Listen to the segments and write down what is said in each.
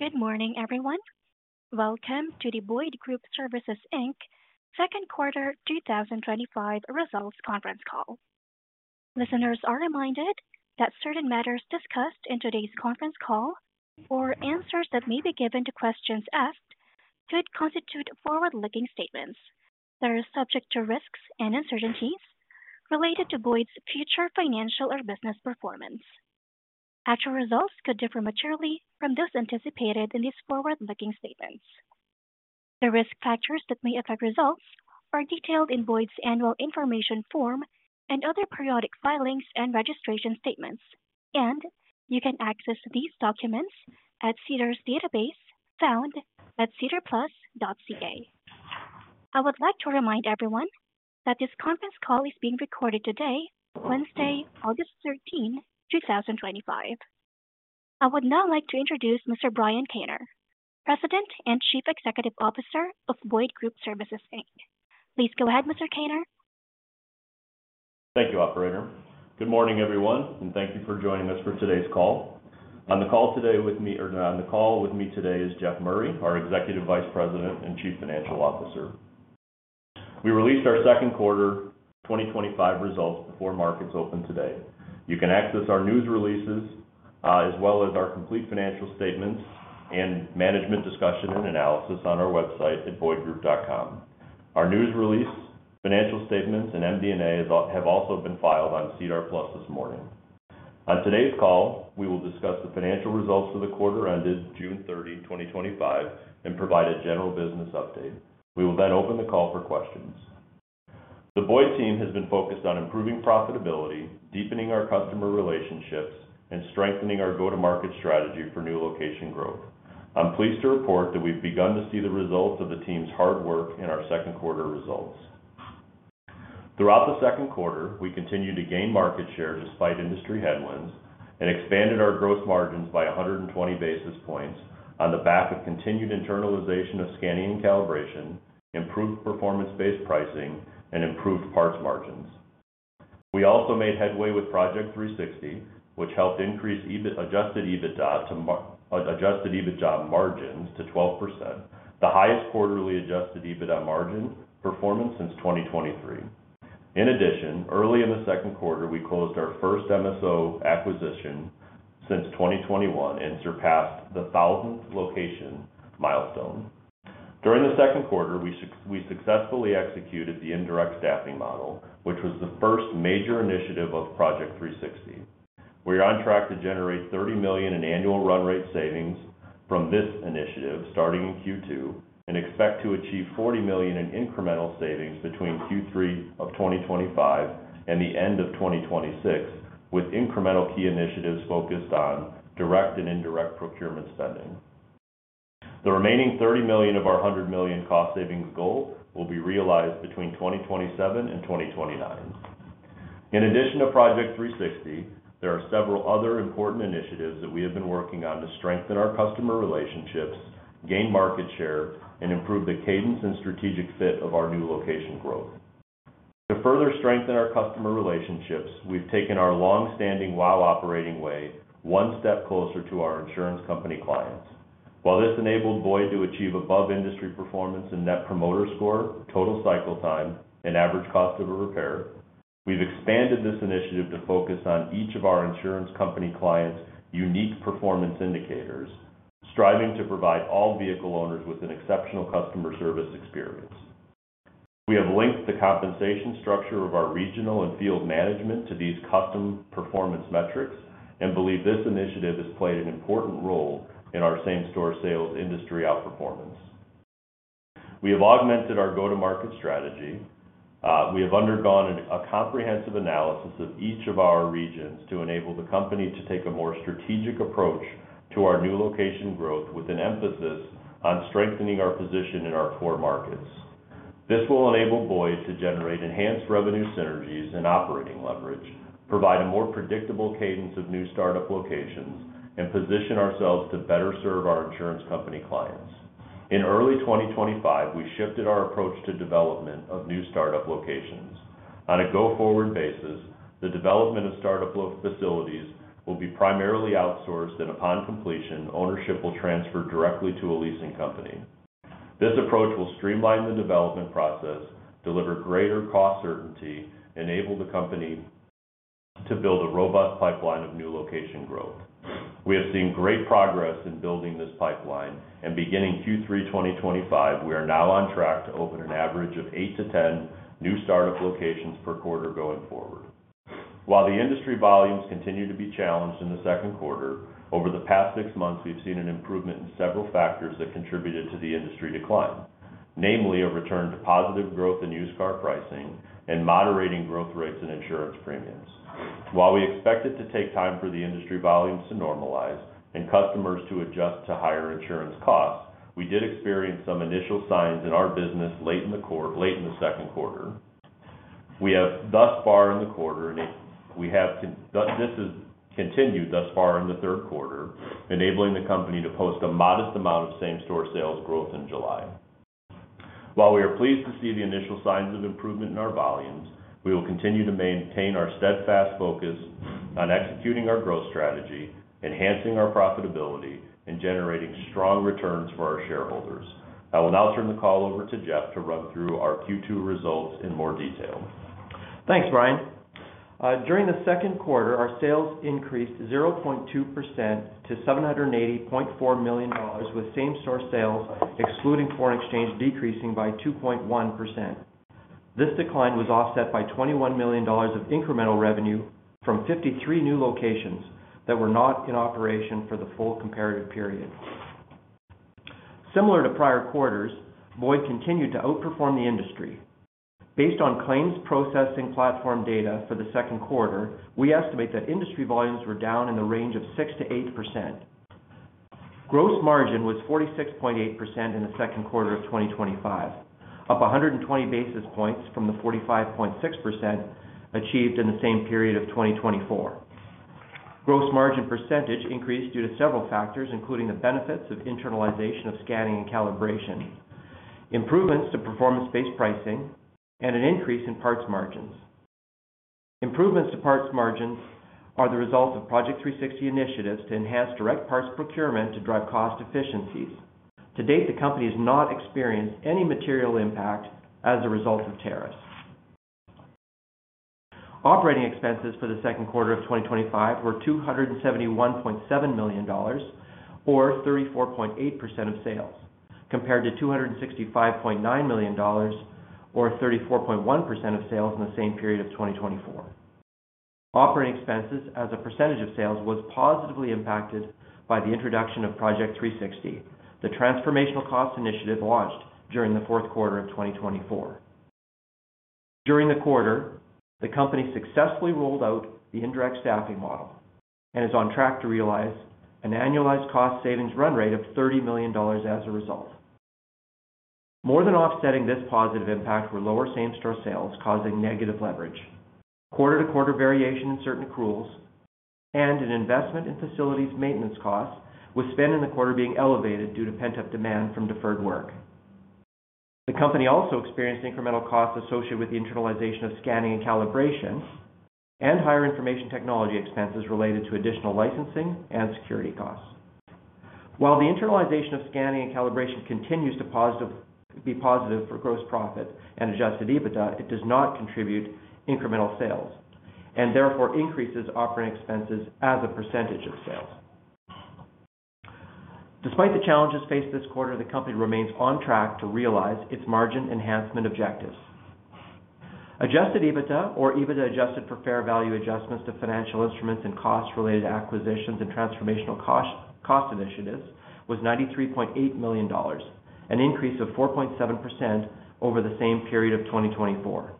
Good morning, everyone. Welcome to the Boyd Group Services Inc. Second Quarter 2025 Results Conference Call. Listeners are reminded that certain matters discussed in today's conference call, or answers that may be given to questions asked, could constitute forward-looking statements that are subject to risks and uncertainties related to Boyd's future financial or business performance. Actual results could differ materially from those anticipated in these forward-looking statements. The risk factors that may affect results are detailed in Boyd's annual information form and other periodic filings and registration statements, and you can access these documents at SEDAR's database found at sedarplus.ca. I would like to remind everyone that this conference call is being recorded today, Wednesday, August 13, 2025. I would now like to introduce Mr. Brian Kaner, President and Chief Executive Officer of Boyd Group Services Inc. Please go ahead, Mr. Kaner. Thank you, Operator. Good morning, everyone, and thank you for joining us for today's call. On the call today with me, or on the call with me today is Jeff Murray, our Executive Vice President and Chief Financial Officer. We released our Second Quarter 2025 Results before markets open today. You can access our news releases, as well as our complete financial statements and management discussion and analysis on our website at boydgroup.com. Our news release, financial statements, and MD&A have also been filed on SEDAR+ this morning. On today's call, we will discuss the financial results for the quarter ended June 30, 2025, and provide a general business update. We will then open the call for questions. The Boyd team has been focused on improving profitability, deepening our customer relationships, and strengthening our go-to-market strategy for new location growth. I'm pleased to report that we've begun to see the results of the team's hard work in our second quarter results. Throughout the second quarter, we continued to gain market share despite industry headwinds and expanded our gross margin by 120 basis points on the back of continued internalization of scanning and calibration, improved performance-based pricing, and improved parts margins. We also made headway with Project 360, which helped increase adjusted EBITDA to adjusted EBITDA margins to 12%, the highest quarterly adjusted EBITDA margin performance since 2023. In addition, early in the second quarter, we closed our first MSO acquisition since 2021 and surpassed the thousandth location milestone. During the second quarter, we successfully executed the indirect staffing model, which was the first major initiative of Project 360. We are on track to generate $30 million in annual run-rate savings from this initiative starting in Q2 and expect to achieve $40 million in incremental savings between Q3 of 2025 and the end of 2026, with incremental key initiatives focused on direct and indirect procurement spending. The remaining $30 million of our $100 million cost savings goal will be realized between 2027 and 2029. In addition to Project 360, there are several other important initiatives that we have been working on to strengthen our customer relationships, gain market share, and improve the cadence and strategic fit of our new location growth. To further strengthen our customer relationships, we've taken our long-standing "while operating" way one step closer to our insurance company clients. While this enabled Boyd to achieve above industry performance in net promoter scores, total cycle times, and average cost of a repair, we've expanded this initiative to focus on each of our insurance company clients' unique performance indicators, striving to provide all vehicle owners with an exceptional customer service experience. We have linked the compensation structure of our regional and field management to these custom performance metrics and believe this initiative has played an important role in our same-store sales industry outperformance. We have augmented our go-to-market strategy. We have undergone a comprehensive analysis of each of our regions to enable the company to take a more strategic approach to our new location growth with an emphasis on strengthening our position in our core markets. This will enable Boyd to generate enhanced revenue synergies and operating leverage, provide a more predictable cadence of new startup locations, and position ourselves to better serve our insurance company clients. In early 2025, we shifted our approach to development of new startup locations. On a go-forward basis, the development of startup facilities will be primarily outsourced, and upon completion, ownership will transfer directly to a leasing company. This approach will streamline the development process, deliver greater cost certainty, and enable the company to build a robust pipeline of new location growth. We have seen great progress in building this pipeline, and beginning Q3 2025, we are now on track to open an average of eight to ten new startup locations per quarter going forward. While the industry volumes continue to be challenged in the second quarter, over the past six months, we've seen an improvement in several factors that contributed to the industry decline, namely a return to positive growth in used car pricing and moderating growth rates in insurance premiums. While we expected it to take time for the industry volumes to normalize and customers to adjust to higher insurance costs, we did experience some initial signs in our business late in the second quarter. This has continued thus far in the third quarter, enabling the company to post a modest amount of same-store sales growth in July. While we are pleased to see the initial signs of improvement in our volumes, we will continue to maintain our steadfast focus on executing our growth strategy, enhancing our profitability, and generating strong returns for our shareholders. I will now turn the call over to Jeff to run through our Q2 results in more detail. Thanks, Brian. During the second quarter, our sales increased 0.2% to $780.4 million with same-store sales, excluding FX, decreasing by 2.1%. This decline was offset by $21 million of incremental revenue from 53 new locations that were not in operation for the full comparative period. Similar to prior quarters, Boyd continued to outperform the industry. Based on claims processing platform data for the second quarter, we estimate that industry volumes were down in the range of 6%-8%. Gross margin was 46.8% in the second quarter of 2025, up 120 basis points from the 45.6% achieved in the same period of 2024. Gross margin percentage increased due to several factors, including the benefits of internalization of scanning and calibration, improvements to performance-based pricing, and an increase in parts margins. Improvements to parts margins are the result of Project 360 initiatives to enhance direct parts procurement to drive cost efficiencies. To date, the company has not experienced any material impact as a result of tariffs. Operating expenses for the second quarter of 2025 were $271.7 million, or 34.8% of sales, compared to $265.9 million, or 34.1% of sales in the same period of 2024. Operating expenses as a percentage of sales were positively impacted by the introduction of Project 360, the transformational cost initiative launched during the fourth quarter of 2024. During the quarter, the company successfully rolled out the indirect staffing model and is on track to realize an annualized cost savings run rate of $30 million as a result. More than offsetting this positive impact were lower same-store sales, causing negative leverage, quarter-to-quarter variation in certain accruals, and an investment in facilities' maintenance costs with spend in the quarter being elevated due to pent-up demand from deferred work. The company also experienced incremental costs associated with the internalization of scanning and calibration and higher information technology expenses related to additional licensing and security costs. While the internalization of scanning and calibration continues to be positive for gross profit and adjusted EBITDA, it does not contribute incremental sales and therefore increases operating expenses as a percentage of sales. Despite the challenges faced this quarter, the company remains on track to realize its margin enhancement objectives. Adjusted EBITDA, or EBITDA adjusted for fair value adjustments to financial instruments and cost-related acquisitions and transformational cost initiatives, was $93.8 million, an increase of 4.7% over the same period of 2024.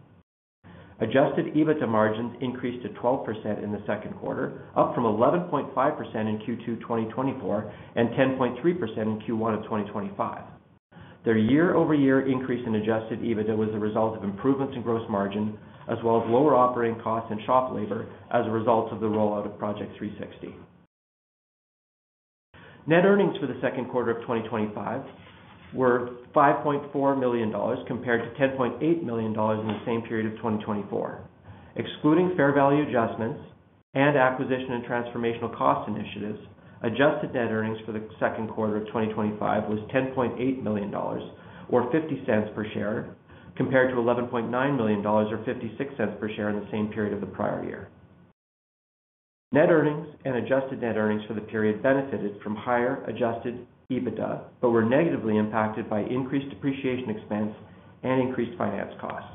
Adjusted EBITDA margins increased to 12% in the second quarter, up from 11.5% in Q2 2024 and 10.3% in Q1 of 2025. Their year-over-year increase in adjusted EBITDA was a result of improvements in gross margin, as well as lower operating costs and shop labor as a result of the rollout of Project 360. Net earnings for the second quarter of 2025 were $5.4 million compared to $10.8 million in the same period of 2024. Excluding fair value adjustments and acquisition and transformational cost initiatives, adjusted net earnings for the second quarter of 2025 were $10.8 million, or $0.50 per share, compared to $11.9 million, or $0.56 per share in the same period of the prior year. Net earnings and adjusted net earnings for the period benefited from higher adjusted EBITDA but were negatively impacted by increased depreciation expense and increased finance costs.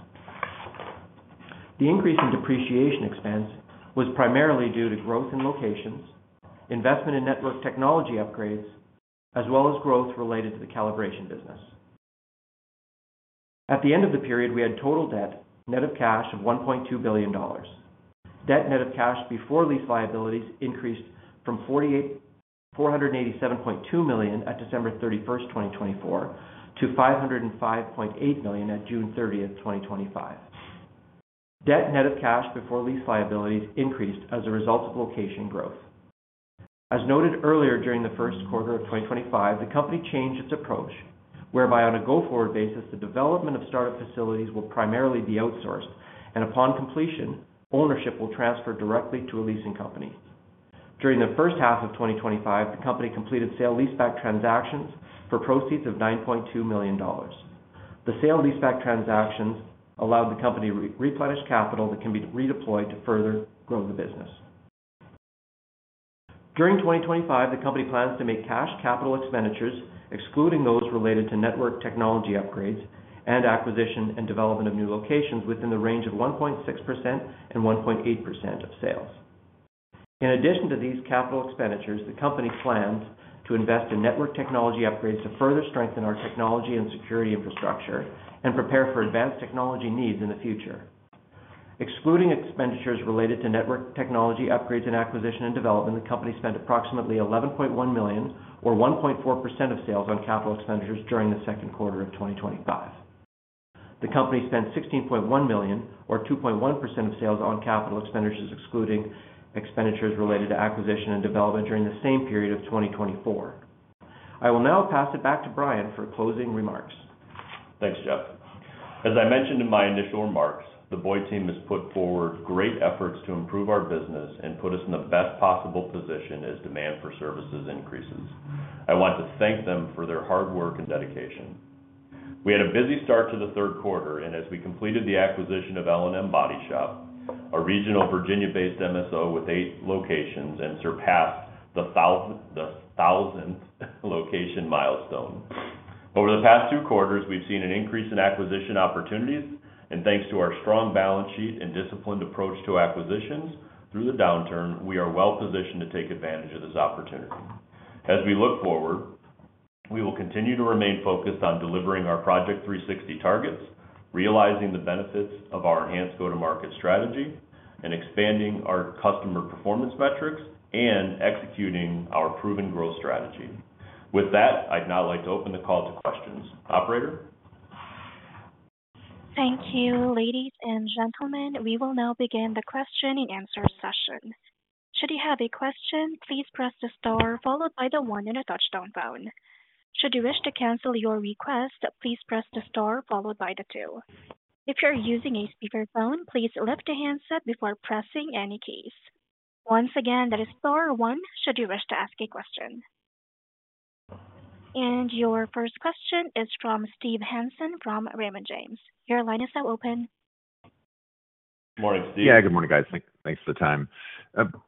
The increase in depreciation expense was primarily due to growth in locations, investment in network technology upgrades, as well as growth related to the calibration business. At the end of the period, we had total debt net of cash of $1.2 billion. Debt net of cash before lease liabilities increased from $487.2 million at December 31st, 2024, to $505.8 million at June 30, 2025. Debt net of cash before lease liabilities increased as a result of location growth. As noted earlier, during the first quarter of 2025, the company changed its approach, whereby on a go-forward basis, the development of startup facilities will primarily be outsourced, and upon completion, ownership will transfer directly to a leasing company. During the first half of 2025, the company completed sale leaseback transactions for proceeds of $9.2 million. The sale leaseback transactions allowed the company to replenish capital that can be redeployed to further grow the business. During 2025, the company plans to make cash capital expenditures, excluding those related to network technology upgrades and acquisition and development of new locations, within the range of 1.6%-1.8% of sales. In addition to these capital expenditures, the company plans to invest in network technology upgrades to further strengthen our technology and security infrastructure and prepare for advanced technology needs in the future. Excluding expenditures related to network technology upgrades and acquisition and development, the company spent approximately $11.1 million, or 1.4% of sales, on capital expenditures during the second quarter of 2025. The company spent $16.1 million, or 2.1% of sales, on capital expenditures, excluding expenditures related to acquisition and development during the same period of 2024. I will now pass it back to Brian for closing remarks. Thanks, Jeff. As I mentioned in my initial remarks, the Boyd team has put forward great efforts to improve our business and put us in the best possible position as demand for services increases. I want to thank them for their hard work and dedication. We had a busy start to the third quarter, as we completed the acquisition of L&M Body Shop, our regional Virginia-based MSO with eight locations, and surpassed the thousandth location milestone. Over the past two quarters, we've seen an increase in acquisition opportunities, and thanks to our strong balance sheet and disciplined approach to acquisitions through the downturn, we are well positioned to take advantage of this opportunity. As we look forward, we will continue to remain focused on delivering our Project 360 targets, realizing the benefits of our enhanced go-to-market strategy, expanding our customer performance metrics, and executing our proven growth strategy. With that, I'd now like to open the call to questions. Operator? Thank you, ladies and gentlemen. We will now begin the question and answer session. Should you have a question, please press the star followed by the one on a touch-tone phone. Should you wish to cancel your request, please press the star followed by the two. If you're using a speaker phone, please lift your handset before pressing any keys. Once again, that is star one should you wish to ask a question. Your first question is from Steve Hansen from Raymond James. Your line is now open. Morning, Steve. Good morning, guys. Thanks for the time.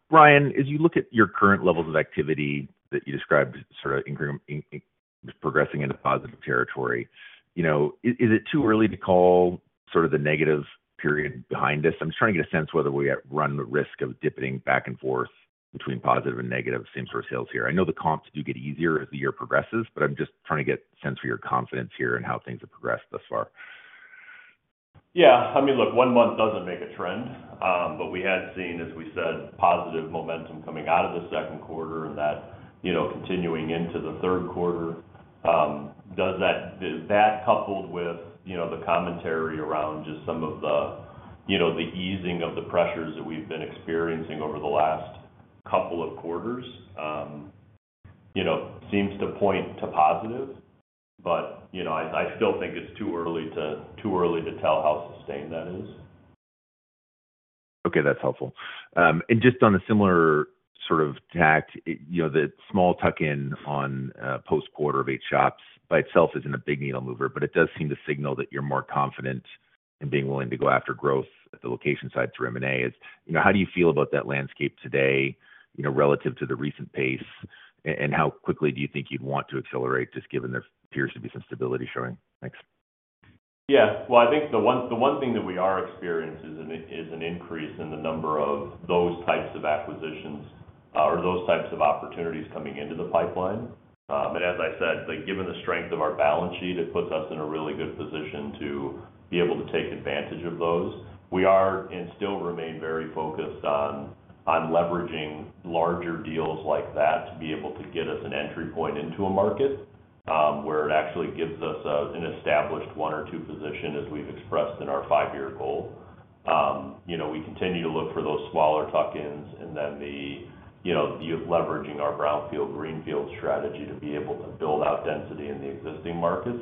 Brian, as you look at your current levels of activity that you described, sort of progressing into positive territory, is it too early to call the negative period behind us? I'm just trying to get a sense of whether we run the risk of dipping back and forth between positive and negative same-store sales here. I know the comps do get easier as the year progresses, but I'm just trying to get a sense for your confidence here and how things have progressed thus far. Yeah, I mean, look, one month doesn't make a trend, but we had seen, as we said, positive momentum coming out of the second quarter and that continuing into the third quarter. That, coupled with the commentary around just some of the easing of the pressures that we've been experiencing over the last couple of quarters, seems to point to positive, but I still think it's too early to tell how sustained that is. Okay, that's helpful. Just on a similar sort of tact, you know, the small tuck-in on post-quarter of eight shops by itself isn't a big needle mover, but it does seem to signal that you're more confident and being willing to go after growth at the location side through M&A. You know, how do you feel about that landscape today, you know, relative to the recent pace, and how quickly do you think you'd want to accelerate just given there appears to be some stability showing? Thanks. I think the one thing that we are experiencing is an increase in the number of those types of acquisitions or those types of opportunities coming into the pipeline. As I said, given the strength of our balance sheet, it puts us in a really good position to be able to take advantage of those. We are and still remain very focused on leveraging larger deals like that to be able to get us an entry point into a market where it actually gives us an established one or two position as we've expressed in our five-year goal. You know, we continue to look for those smaller tuck-ins and then the view of leveraging our brownfield greenfield strategy to be able to build out density in the existing markets.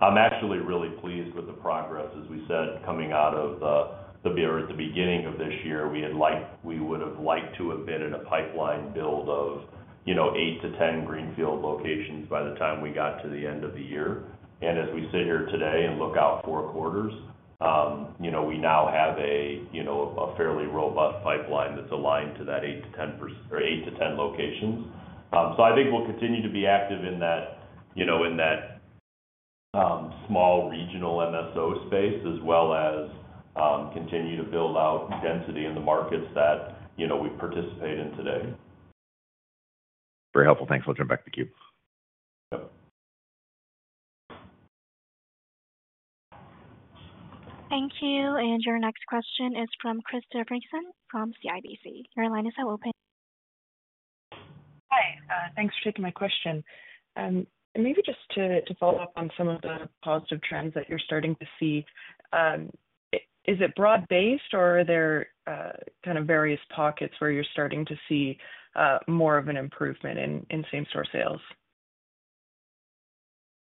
I'm actually really pleased with the progress, as we said, at the beginning of this year, we would have liked to have been in a pipeline build of eight to ten greenfield locations by the time we got to the end of the year. As we sit here today and look out four quarters, we now have a fairly robust pipeline that's aligned to that eight to ten locations. I think we'll continue to be active in that small regional MSO space as well as continue to build out density in the markets that we participate in today. Very helpful. Thanks. I'll turn it back to you. Thank you. Your next question is from Krista Friesen from CIBC. Your line is now open. Hi, thanks for taking my question. Maybe just to follow up on some of the positive trends that you're starting to see, is it broad-based or are there kind of various pockets where you're starting to see more of an improvement in same-store sales?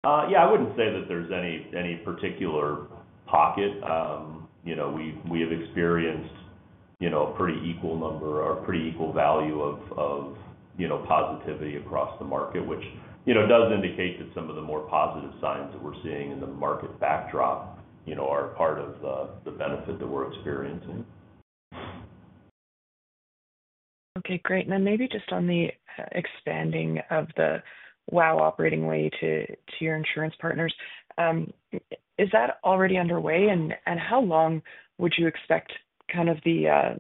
Yeah, I wouldn't say that there's any particular pocket. We have experienced a pretty equal number or pretty equal value of positivity across the market, which does indicate that some of the more positive signs that we're seeing in the market backdrop are part of the benefit that we're experiencing. Okay, great. Maybe just on the expanding of the WOW operating way to your insurance partners, is that already underway, and how long would you expect the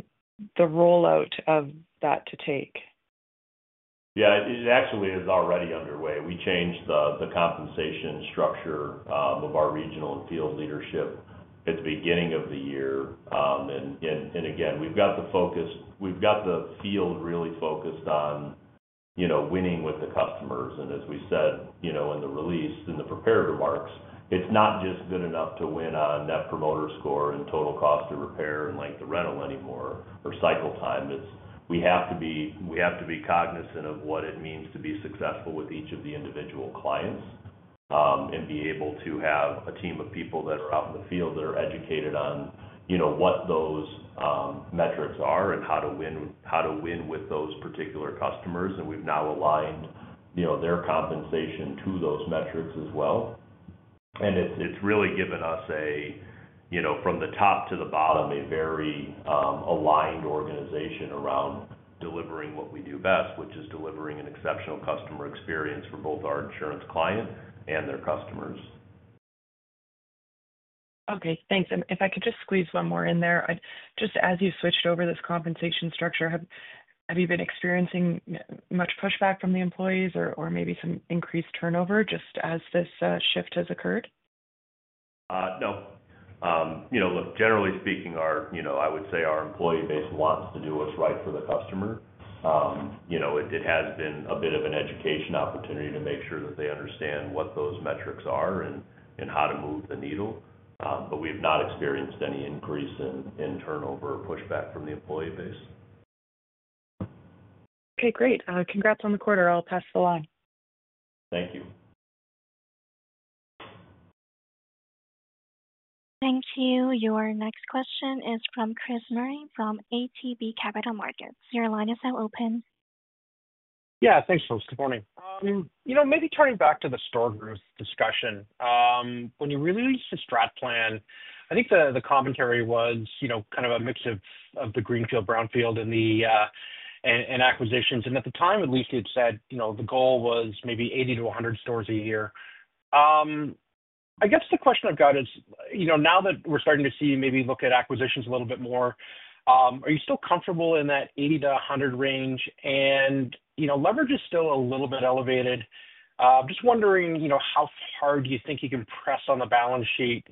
rollout of that to take? Yeah, it actually is already underway. We changed the compensation structure of our regional and field leadership at the beginning of the year. We've got the focus, we've got the field really focused on, you know, winning with the customers. As we said, you know, in the release and the prepared remarks, it's not just good enough to win on net promoter scores and total cost to repair and length of rental anymore or cycle times. We have to be cognizant of what it means to be successful with each of the individual clients and be able to have a team of people that are out in the field that are educated on, you know, what those metrics are and how to win, how to win with those particular customers. We've now aligned, you know, their compensation to those metrics as well. It's really given us, you know, from the top to the bottom, a very aligned organization around delivering what we do best, which is delivering an exceptional customer experience for both our insurance client and their customers. Okay, thanks. If I could just squeeze one more in there, just as you switched over this compensation structure, have you been experiencing much pushback from the employees or maybe some increased turnover just as this shift has occurred? No. Generally speaking, our, I would say our employee base wants to do what's right for the customer. It has been a bit of an education opportunity to make sure that they understand what those metrics are and how to move the needle. We've not experienced any increase in turnover or pushback from the employee base. Okay, great. Congrats on the quarter. I'll pass the line. Thank you. Thank you. Your next question is from Chris Murray from ATB Capital Markets. Your line is now open. Yeah, thanks, folks. Good morning. Maybe turning back to the store growth discussion, when you released the strat plan, I think the commentary was kind of a mix of the greenfield, brownfield, and acquisitions. At the time, at least, you had said the goal was maybe 80-100 stores a year. I guess the question I've got is, now that we're starting to see maybe look at acquisitions a little bit more, are you still comfortable in that 80-100 stores range? Leverage is still a little bit elevated. I'm just wondering how hard you think you can press on the balance sheet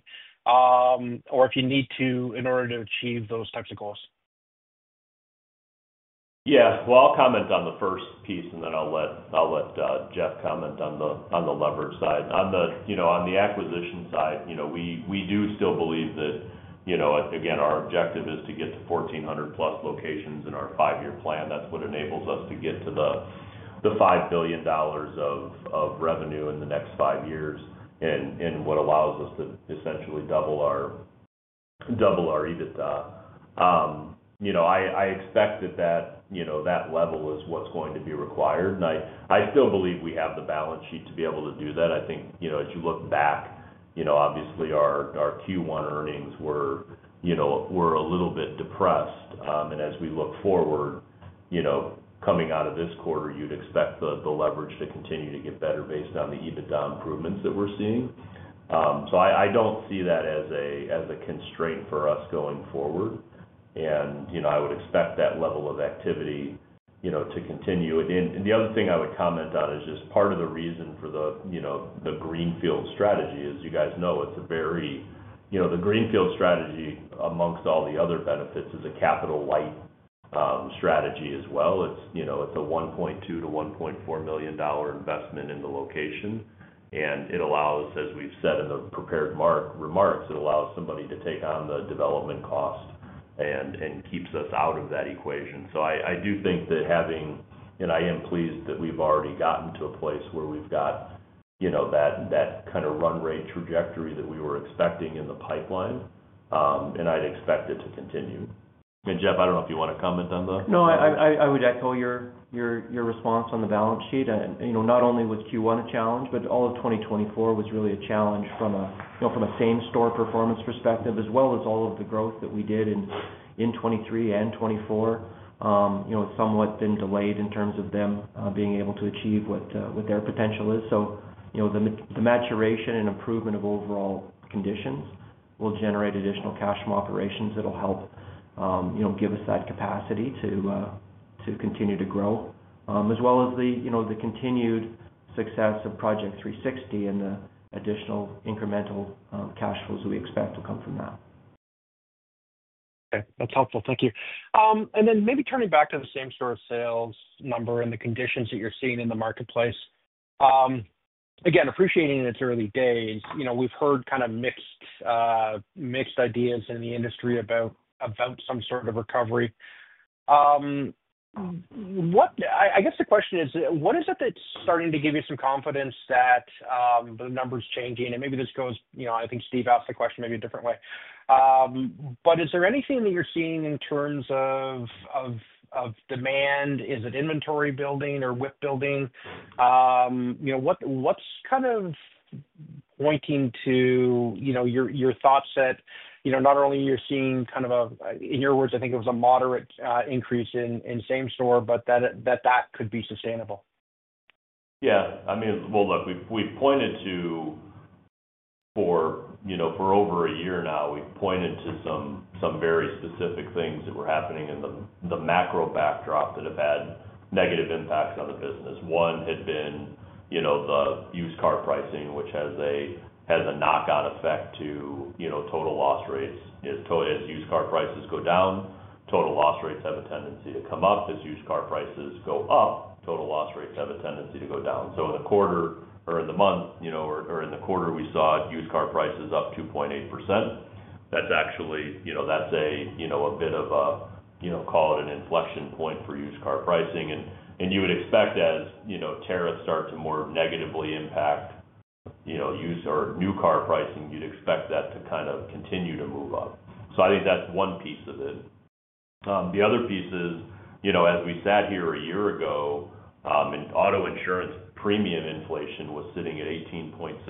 or if you need to in order to achieve those types of goals. Yeah, I'll comment on the first piece and then I'll let Jeff comment on the leverage side. On the acquisition side, we do still believe that our objective is to get to 1,400+ locations in our five-year plan. That's what enables us to get to the $5 billion of revenue in the next five years and what allows us to essentially double our EBITDA. I expect that that level is what's going to be required. I still believe we have the balance sheet to be able to do that. As you look back, obviously our Q1 earnings were a little bit depressed. As we look forward, coming out of this quarter, you'd expect the leverage to continue to get better based on the EBITDA improvements that we're seeing. I don't see that as a constraint for us going forward. I would expect that level of activity to continue. The other thing I would comment on is just part of the reason for the greenfield strategy is, as you guys know, the greenfield strategy, amongst all the other benefits, is a capital light strategy as well. It's a $1.2-$1.4 million investment in the location. As we've said in the prepared remarks, it allows somebody to take on the development cost and keeps us out of that equation. I do think that having, and I am pleased that we've already gotten to a place where we've got that kind of run rate trajectory that we were expecting in the pipeline. I'd expect it to continue. Jeff, I don't know if you want to comment on the. No, I would echo your response on the balance sheet. Not only was Q1 a challenge, but all of 2024 was really a challenge from a same-store performance perspective, as well as all of the growth that we did in 2023 and 2024. It's somewhat been delayed in terms of them being able to achieve what their potential is. The maturation and improvement of overall conditions will generate additional cash from operations that'll help give us that capacity to continue to grow, as well as the continued success of Project 360 and the additional incremental cash flows that we expect will come from that. Okay, that's helpful. Thank you. Maybe turning back to the same-store sales number and the conditions that you're seeing in the marketplace. Appreciating it's early days, we've heard kind of mixed ideas in the industry about some sort of recovery. I guess the question is, what is it that's starting to give you some confidence that the number's changing? Maybe this goes, I think Steve asked the question maybe a different way. Is there anything that you're seeing in terms of demand? Is it inventory building or WIP building? What's kind of pointing to your thoughts that not only are you seeing kind of a, in your words, I think it was a moderate increase in same-store, but that that could be sustainable? Yeah, I mean, look, we've pointed to, for over a year now, we've pointed to some very specific things that were happening in the macro backdrop that have had negative impacts on the business. One had been the used car pricing, which has a knockout effect to total loss rates. As used car prices go down, total loss rates have a tendency to come up. As used car prices go up, total loss rates have a tendency to go down. In the quarter or in the month, we saw used car prices up 2.8%. That's actually a bit of an inflection point for used car pricing. You would expect as tariffs start to more negatively impact used or new car pricing, you'd expect that to kind of continue to move up. I think that's one piece of it. The other piece is, as we sat here a year ago, and auto insurance premium inflation was sitting at 18.6%.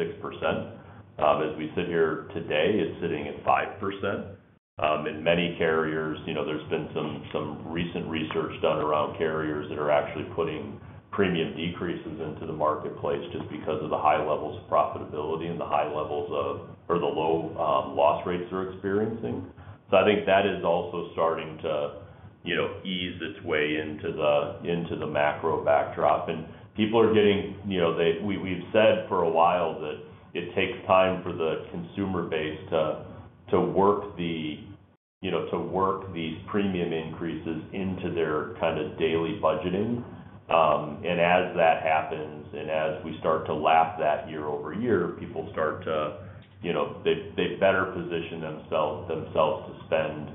As we sit here today, it's sitting at 5%. In many carriers, there's been some recent research done around carriers that are actually putting premium decreases into the marketplace just because of the high levels of profitability and the high levels of, or the low loss rates they're experiencing. I think that is also starting to ease its way into the macro backdrop. People are getting, we've said for a while that it takes time for the consumer base to work the premium increases into their kind of daily budgeting. As that happens, and as we start to laugh that year over year, people start to, they've better positioned themselves to spend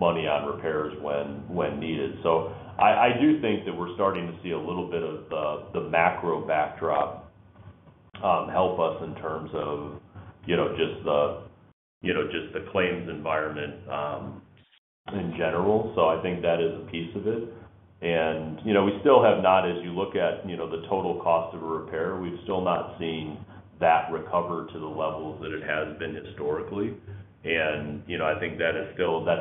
money on repairs when needed. I do think that we're starting to see a little bit of the macro backdrop help us in terms of just the claims environment in general. I think that is a piece of it. We still have not, as you look at the total cost of a repair, we've still not seen that recover to the levels that it has been historically. I think that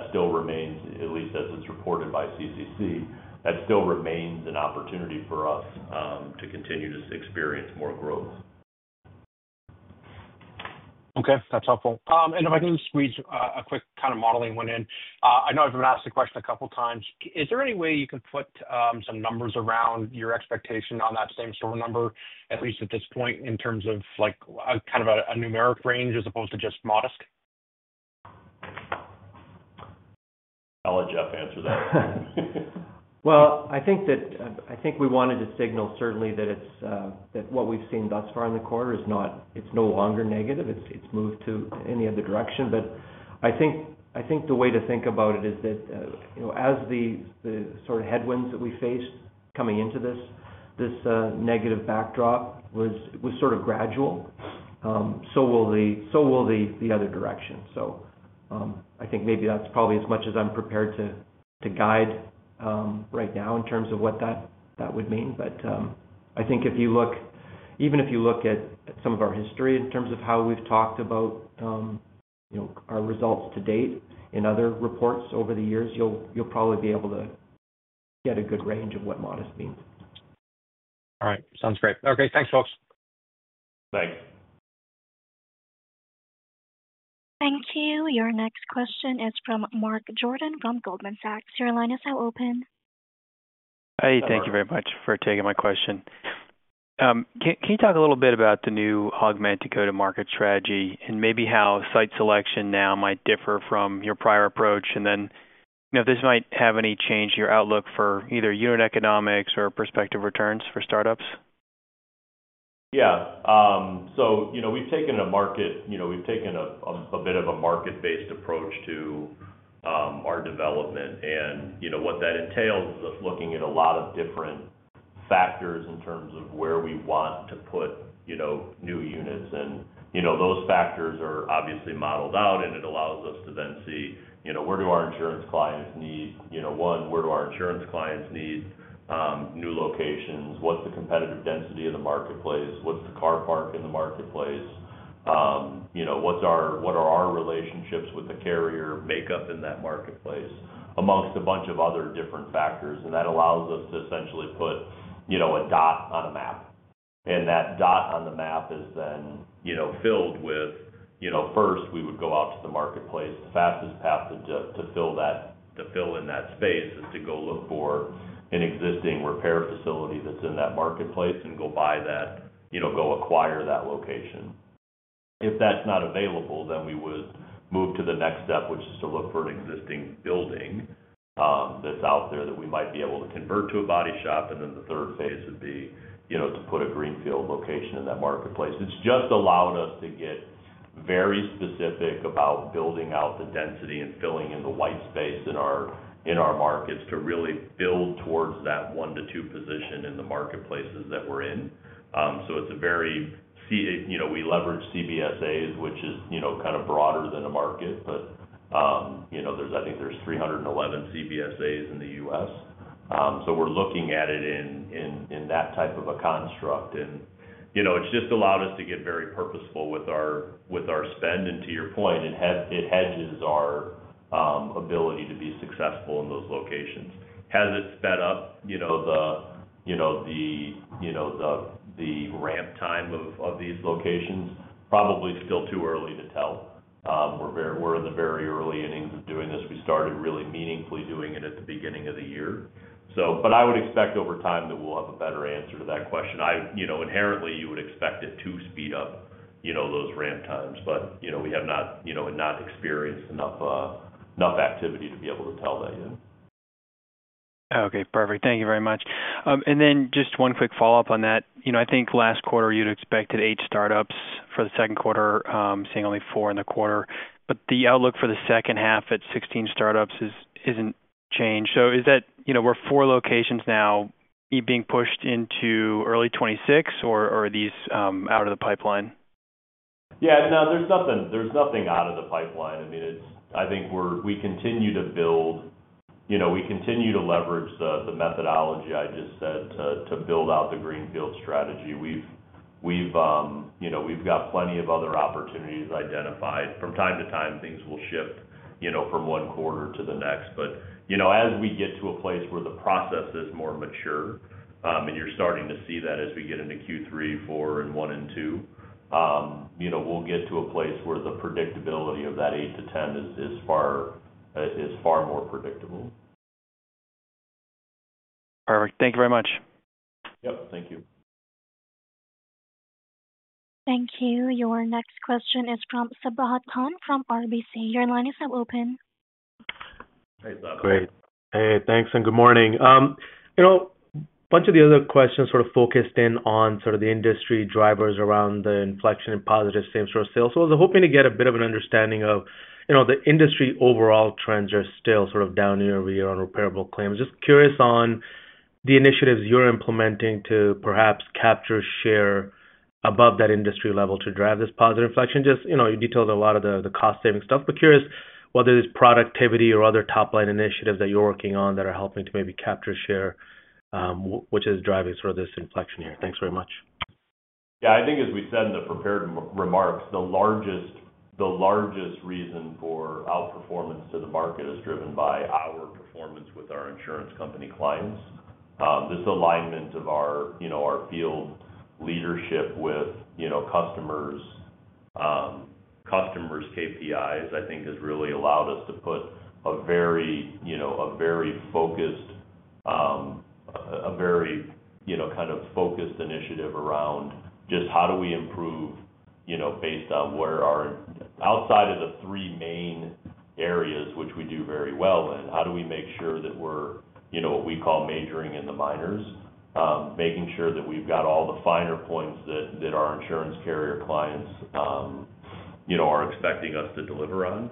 still remains, at least as it's reported by CCC, that still remains an opportunity for us to continue to experience more growth. Okay, that's helpful. If I can just read a quick kind of modeling one in. I know I've been asked the question a couple of times. Is there any way you can put some numbers around your expectation on that same-store number, at least at this point, in terms of like a kind of a numeric range as opposed to just modest? I'll let Jeff answer that. I think we wanted to signal certainly that what we've seen thus far in the quarter is not, it's no longer negative. It's moved to the other direction. I think the way to think about it is that as the sort of headwinds that we faced coming into this negative backdrop was sort of gradual, so will the other direction. I think maybe that's probably as much as I'm prepared to guide right now in terms of what that would mean. If you look, even if you look at some of our history in terms of how we've talked about our results to date in other reports over the years, you'll probably be able to get a good range of what modest means. All right, sounds great. Okay, thanks, folks. Thanks. Thank you. Your next question is from Mark Jordan from Goldman Sachs. Your line is now open. Thank you very much for taking my question. Can you talk a little bit about the new augmented go-to-market strategy and maybe how site selection now might differ from your prior approach? You know, this might have any change in your outlook for either unit economics or prospective returns for startups? Yeah. We've taken a bit of a market-based approach to our development. What that entails is us looking at a lot of different factors in terms of where we want to put new units. Those factors are obviously modeled out, and it allows us to then see where do our insurance clients need new locations, what's the competitive density of the marketplace, what's the car park in the marketplace, what are our relationships with the carrier makeup in that marketplace, amongst a bunch of other different factors. That allows us to essentially put a dot on a map. That dot on the map is then filled with, first, we would go out to the marketplace. The fastest path to fill in that space is to go look for an existing repair facility that's in that marketplace and go acquire that location. If that's not available, then we would move to the next step, which is to look for an existing building that's out there that we might be able to convert to a body shop. The third phase would be to put a greenfield location in that marketplace. It's just allowed us to get very specific about building out the density and filling in the white space in our markets to really build towards that one to two position in the marketplaces that we're in. It's a very, we leverage CBSAs, which is kind of broader than a market. I think there's 311 CBSAs in the U.S. We're looking at it in that type of a construct. It's just allowed us to get very purposeful with our spend. To your point, it hedges our ability to be successful in those locations. Has it sped up the ramp time of these locations? Probably still too early to tell. We're in the very early innings of doing this. We started really meaningfully doing it at the beginning of the year, but I would expect over time that we'll have a better answer to that question. Inherently, you would expect it to speed up those ramp times, but we have not experienced enough activity to be able to tell that yet. Okay, perfect. Thank you very much. Just one quick follow-up on that. I think last quarter you'd expected eight startups for the second quarter, seeing only four in the quarter. The outlook for the second half at 16 startups isn't changed. Is that, you know, were four locations now being pushed into early 2026, or are these out of the pipeline? Yeah, no, there's nothing out of the pipeline. I mean, we continue to build, you know, we continue to leverage the methodology I just said to build out the greenfield strategy. We've got plenty of other opportunities identified. From time to time, things will shift from one quarter to the next. As we get to a place where the process is more mature, and you're starting to see that as we get into Q3, four, and one and two, we'll get to a place where the predictability of that eight to ten is far more predictable. All right, thank you very much. Yep, thank you. Thank you. Your next question is from Sabahat Khan from RBC Capital Markets. Your line is now open. Hey, thanks and good morning. You know, a bunch of the other questions sort of focused in on the industry drivers around the inflection and positive same-store sales. I was hoping to get a bit of an understanding of, you know, the industry overall trends are still sort of down year over year on repairable claims. Just curious on the initiatives you're implementing to perhaps capture share above that industry level to drive this positive inflection. You detailed a lot of the cost-saving stuff, but curious whether there's productivity or other top-line initiatives that you're working on that are helping to maybe capture share, which is driving this inflection here. Thanks very much. Yeah. I think, as we said in the prepared remarks, the largest reason for outperformance to the market is driven by our performance with our insurance company clients. This alignment of our field leadership with customers' KPIs, I think, has really allowed us to put a very focused initiative around just how do we improve, you know, based on where our, outside of the three main areas, which we do very well, then how do we make sure that we're, you know, what we call majoring in the minors, making sure that we've got all the finer points that our insurance carrier clients are expecting us to deliver on.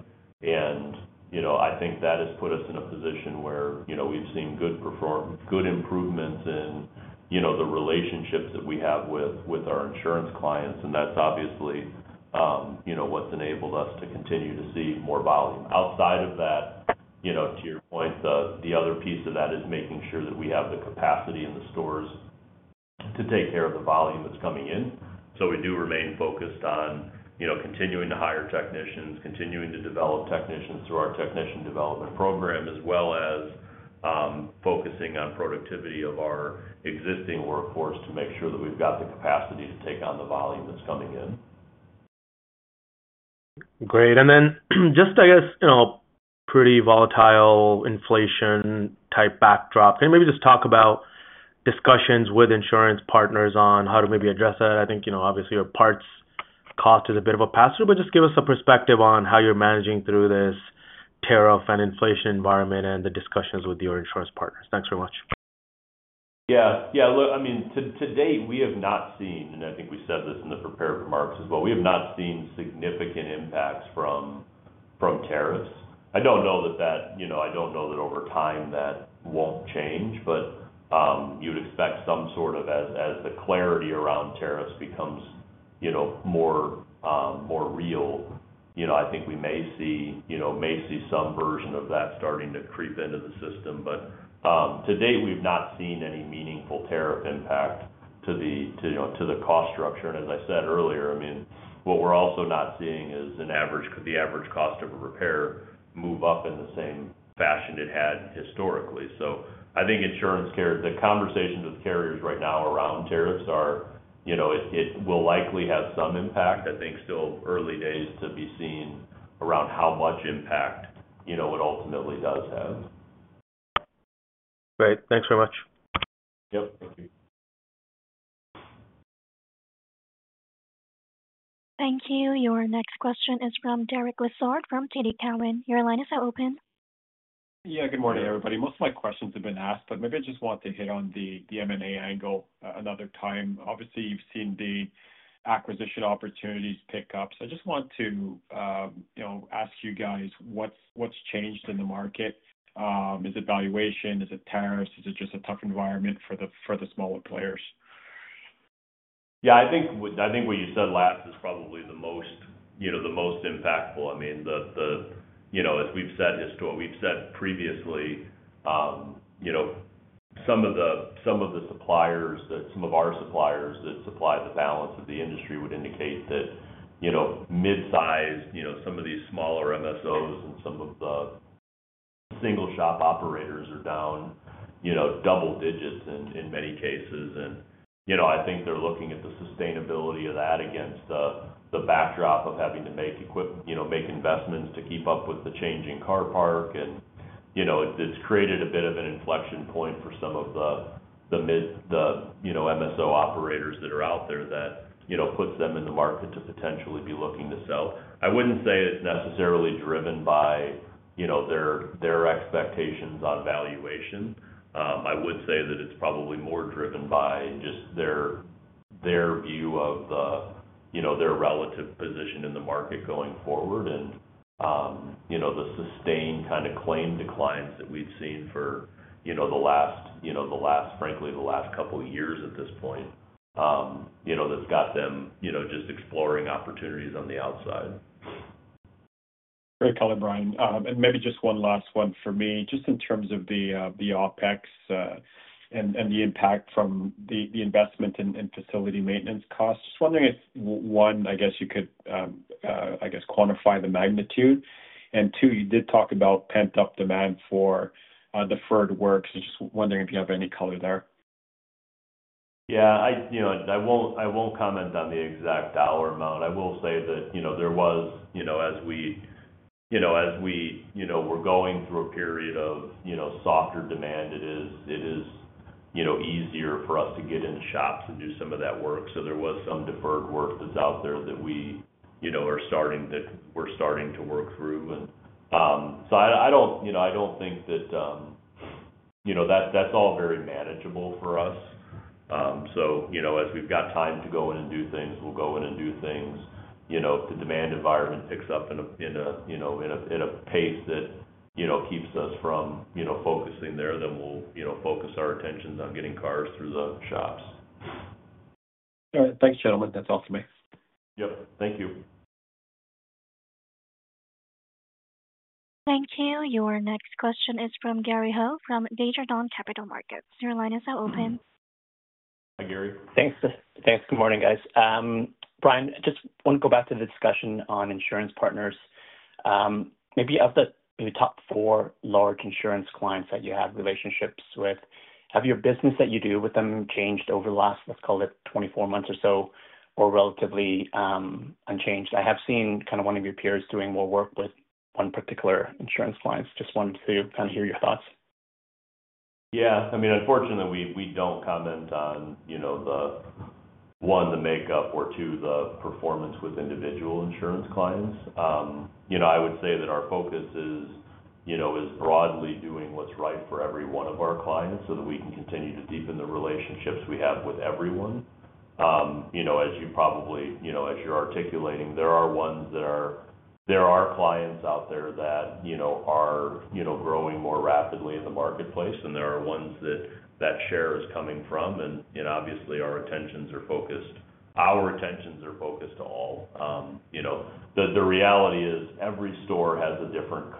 I think that has put us in a position where we've seen good improvements in the relationships that we have with our insurance clients. That's obviously what's enabled us to continue to see more volume. Outside of that, to your point, the other piece of that is making sure that we have the capacity in the stores to take care of the volume that's coming in. We do remain focused on continuing to hire technicians, continuing to develop technicians through our technician development program, as well as focusing on productivity of our existing workforce to make sure that we've got the capacity to take on the volume that's coming in. Great. I guess, you know, pretty volatile inflation type backdrop. Can you maybe just talk about discussions with insurance partners on how to maybe address that? I think, you know, obviously your parts cost is a bit of a pass-through, but just give us a perspective on how you're managing through this tariff and inflation environment and the discussions with your insurance partners. Thanks very much. Yeah, I mean, to date we have not seen, and I think we said this in the prepared remarks as well, we have not seen significant impacts from tariffs. I don't know that over time that won't change, but you would expect some sort of, as the clarity around tariffs becomes more real, I think we may see some version of that starting to creep into the system. To date we've not seen any meaningful tariff impact to the cost structure. As I said earlier, what we're also not seeing is, could the average cost of a repair move up in the same fashion it had historically. I think the conversations with carriers right now around tariffs are, it will likely have some impact. I think it's still early days to be seen around how much impact it ultimately does have. Great, thanks very much. Yep, thank you. Thank you. Your next question is from Derek Lessard from TD Cowen. Your line is now open. Good morning everybody. Most of my questions have been asked, but maybe I just want to hit on the M&A angle another time. Obviously, you've seen the acquisition opportunities pick up. I just want to ask you guys, what's changed in the market? Is it valuation? Is it tariffs? Is it just a tough environment for the smaller players? Yeah, I think what you said last is probably the most impactful. I mean, as we've said historically, we've said previously, some of our suppliers that supplied the balance of the industry would indicate that mid-sized, some of these smaller MSOs and some of the single shop operators are down double digits in many cases. I think they're looking at the sustainability of that against the backdrop of having to make investments to keep up with the changing car park. It's created a bit of an inflection point for some of the mid, the MSO operators that are out there that puts them in the market to potentially be looking to sell. I wouldn't say it's necessarily driven by their expectations on valuation. I would say that it's probably more driven by just their view of their relative position in the market going forward. The sustained kind of claim declines that we've seen for the last, frankly, the last couple of years at this point, that's got them just exploring opportunities on the outside. Great comment, Brian. Maybe just one last one for me, just in terms of the OpEx and the impact from the investment in facility maintenance costs. Just wondering if, one, you could quantify the magnitude. Two, you did talk about pent-up demand for the further work. Just wondering if you have any color there. Yeah, I won't comment on the exact dollar amount. I will say that, as we were going through a period of softer demand, it is easier for us to get into shops and do some of that work. There was some deferred work that's out there that we are starting to work through. I don't think that that's all very manageable for us. As we've got time to go in and do things, we'll go in and do things. If the demand environment picks up in a pace that keeps us from focusing there, then we'll focus our attention on getting cars through the shops. All right, thanks, gentlemen. That's all for me. Thank you. Thank you. Your next question is from Gary Ho from Desjardins Capital Markets. Your line is now open. Hi, Gary. Thanks. Good morning, guys. Brian, I just want to go back to the discussion on insurance partners. Maybe of the top four large insurance clients that you have relationships with, has your business that you do with them changed over the last, let's call it, 24 months or so, or relatively unchanged? I have seen kind of one of your peers doing more work with one particular insurance client. Just wanted to kind of hear your thoughts. Yeah, I mean, unfortunately, we don't comment on, you know, the one, the makeup, or two, the performance with individual insurance clients. I would say that our focus is broadly doing what's right for every one of our clients so that we can continue to deepen the relationships we have with everyone. As you're articulating, there are clients out there that are growing more rapidly in the marketplace, and there are ones that that share is coming from. Obviously, our attentions are focused to all. The reality is every store has a different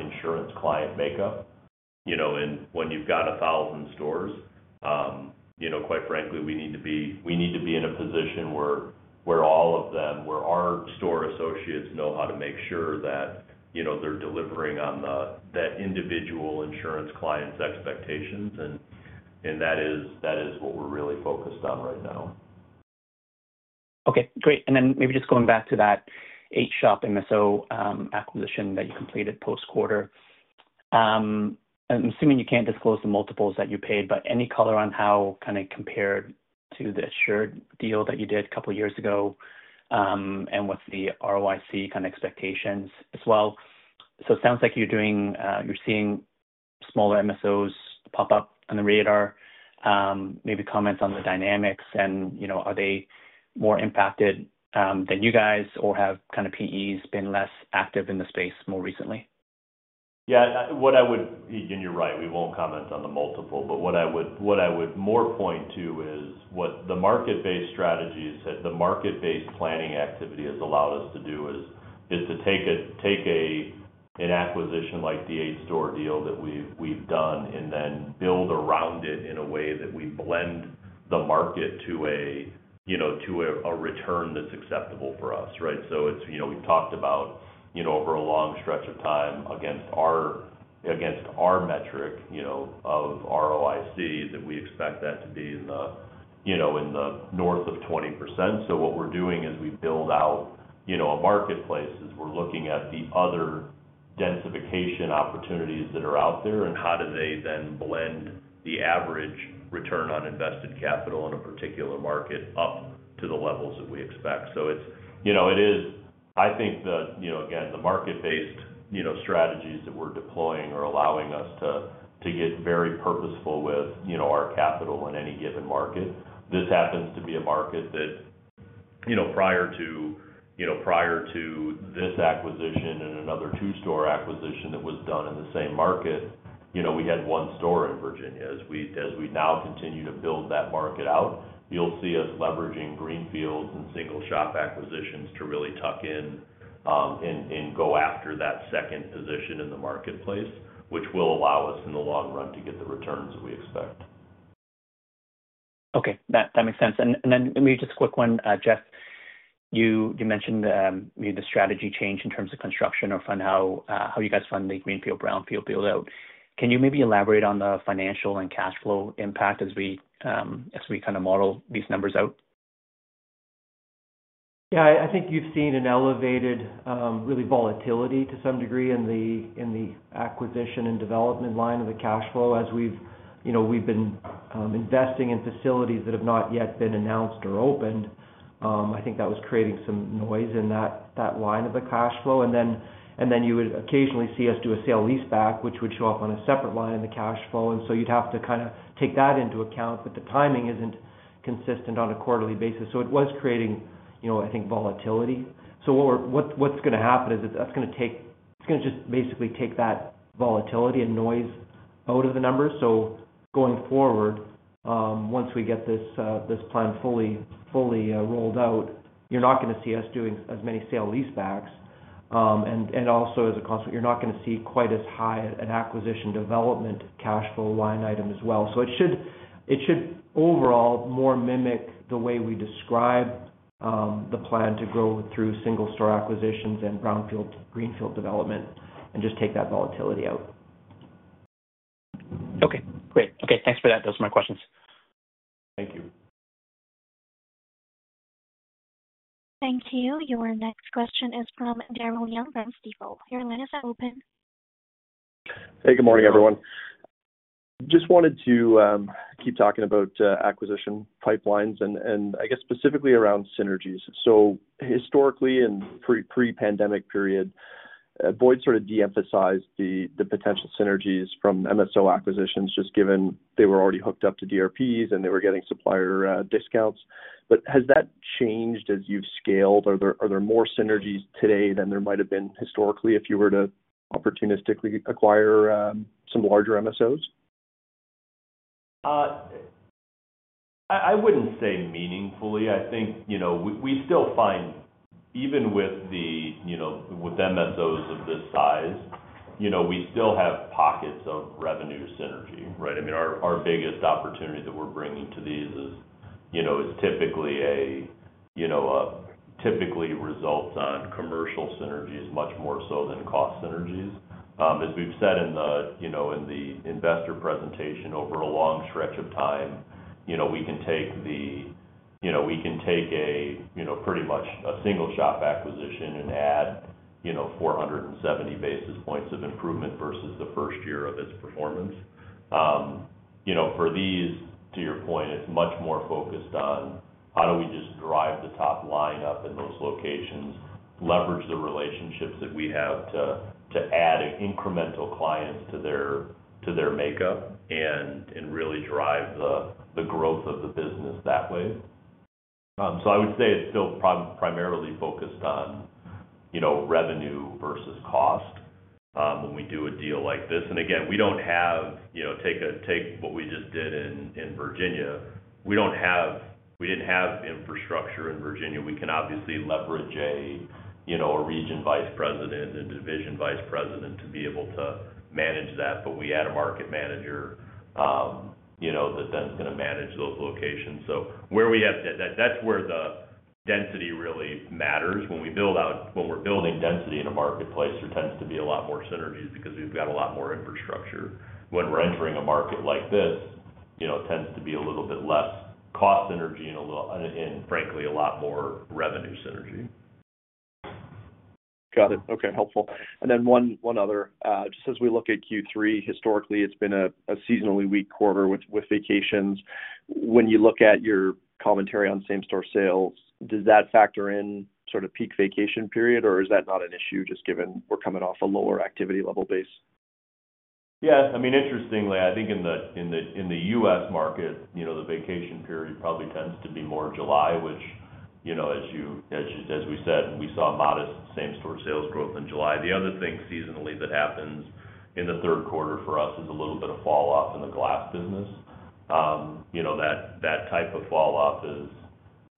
insurance client makeup. When you've got a thousand stores, quite frankly, we need to be in a position where all of them, where our store associates know how to make sure that they're delivering on the individual insurance client's expectations. That is what we're really focused on right now. Okay, great. Maybe just going back to that eight-shop MSO acquisition that you completed post-quarter. I'm assuming you can't disclose the multiples that you paid, but any color on how it kind of compared to the shared deal that you did a couple of years ago, and what's the ROIC kind of expectations as well? It sounds like you're seeing smaller MSOs pop up on the radar. Maybe comments on the dynamics and, you know, are they more impacted than you guys or have kind of PEs been less active in the space more recently? Yeah, what I would, and you're right, we won't comment on the multiple. What I would more point to is what the market-based strategies that the market-based planning activity has allowed us to do is to take an acquisition like the eight-store deal that we've done and then build around it in a way that we blend the market to a return that's acceptable for us, right? We've talked about, over a long stretch of time against our metric of ROIC, that we expect that to be in the north of 20%. What we're doing as we build out a marketplace is we're looking at the other densification opportunities that are out there and how they then blend the average return on invested capital in a particular market up to the levels that we expect. It is, I think, the market-based strategies that we're deploying are allowing us to get very purposeful with our capital in any given market. This happens to be a market that, prior to this acquisition and another two-store acquisition that was done in the same market, we had one store in Virginia. As we now continue to build that market out, you'll see us leveraging greenfields and single-shop acquisitions to really tuck in and go after that second position in the marketplace, which will allow us in the long run to get the returns that we expect. Okay, that makes sense. Maybe just a quick one, Jeff. You mentioned the strategy change in terms of construction or how you guys fund the greenfield brownfield buildout. Can you maybe elaborate on the financial and cash flow impact as we kind of model these numbers out? Yeah, I think you've seen elevated, really volatility to some degree in the acquisition and development line of the cash flow as we've been investing in facilities that have not yet been announced or opened. I think that was creating some noise in that line of the cash flow. Then you would occasionally see us do a sale leaseback, which would show up on a separate line in the cash flow, and you'd have to kind of take that into account, but the timing isn't consistent on a quarterly basis. It was creating, I think, volatility. What's going to happen is that that's going to just basically take that volatility and noise out of the numbers. Going forward, once we get this plan fully, fully rolled out, you're not going to see us doing as many sale leasebacks, and also as a consequence, you're not going to see quite as high an acquisition development cash flow line item as well. It should overall more mimic the way we describe the plan to go through single-store acquisitions and brownfield, greenfield development and just take that volatility out. Okay, great. Okay, thanks for that. Those are my questions. Thank you. Thank you. Your next question is from Daryl Young from Stifel. Your line is now open. Hey, good morning everyone. Just wanted to keep talking about acquisition pipelines, and I guess specifically around synergies. Historically, in the pre-pandemic period, Boyd sort of de-emphasized the potential synergies from MSO acquisitions, just given they were already hooked up to DRPs and they were getting supplier discounts. Has that changed as you've scaled? Are there more synergies today than there might have been historically if you were to opportunistically acquire some larger MSOs? I wouldn't say meaningfully. I think we still find even with the MSOs of this size, we still have pockets of revenue synergy, right? I mean, our biggest opportunity that we're bringing to these is typically results on commercial synergies much more so than cost synergies. As we've said in the investor presentation over a long stretch of time, we can take a single shop acquisition and add 470 basis points of improvement versus the first year of its performance. For these, to your point, it's much more focused on how do we just drive the top line up in those locations, leverage the relationships that we have to add incremental clients to their makeup and really drive the growth of the business that way. I would say it's still primarily focused on revenue versus cost when we do a deal like this. Again, we don't have, take what we just did in Virginia. We didn't have infrastructure in Virginia. We can obviously leverage a region Vice President and a Division Vice President to be able to manage that. We add a market manager that then is going to manage those locations. Where we have that, that's where the density really matters. When we build out, when we're building density in a marketplace, there tends to be a lot more synergies because we've got a lot more infrastructure. When we're entering a market like this, it tends to be a little bit less cost synergy and, frankly, a lot more revenue synergy. Got it. Okay, helpful. As we look at Q3, historically, it's been a seasonally weak quarter with vacations. When you look at your commentary on same-store sales, does that factor in sort of peak vacation period, or is that not an issue just given we're coming off a lower activity level base? Yeah, I mean, interestingly, I think in the U.S. market, the vacation period probably tends to be more July, which, as we said, we saw modest same-store sales growth in July. The other thing seasonally that happens in the third quarter for us is a little bit of falloff in the glass business. That type of falloff